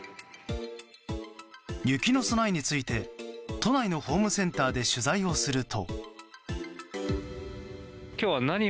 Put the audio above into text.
雪の備えについて都内のホームセンターで取材をすると。